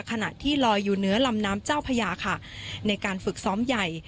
ขณะที่ลอยอยู่เหนือลำน้ำเจ้าพญาค่ะในการฝึกซ้อมใหญ่